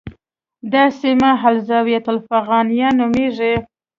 دا سیمه الزاویة الافغانیه نومېږي.